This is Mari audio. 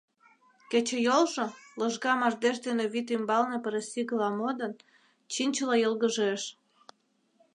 Кечыйолжо, лыжга мардеж дене вӱд ӱмбалне пырысигыла модын, чинчыла йылгыжеш.